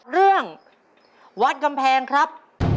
เรื่องวัดกำแพงครับ